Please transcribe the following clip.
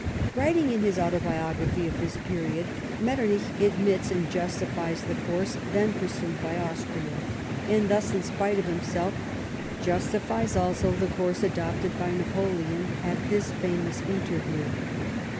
Writing in his Autobiography of this period, Metternich admits and justifies the course then pursued by Austria ; and thus, in spite of himself, justifies also the course adopted by Napoleon at this famous interview.